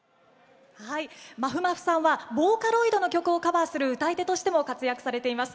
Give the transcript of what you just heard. まふまふさんはボーカロイドの曲をカバーする歌い手としても活躍されています。